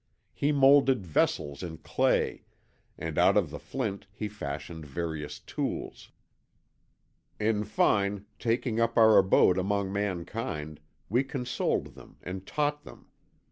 He moulded vessels in clay, and out of the flint he fashioned various tools. "In fine, taking up our abode among mankind, we consoled them and taught them.